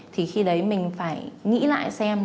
thì khi đấy mình phải nghĩ lại xem